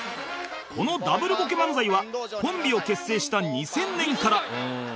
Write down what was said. この Ｗ ボケ漫才はコンビを結成した２０００年から